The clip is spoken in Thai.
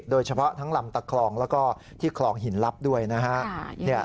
โดยเฉพาะทั้งลำตะคลองแล้วก็ที่คลองหินลับด้วยนะฮะ